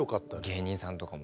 芸人さんとかもね。